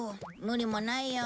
無理もないよ。